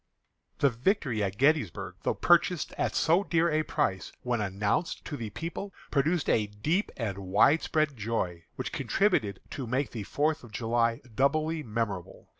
The victory at Gettysburg, though purchased at so dear a price, when announced to the people, produced a deep and widespread joy, which contributed to make the Fourth of July doubly memorable.